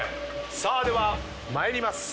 さあでは参ります。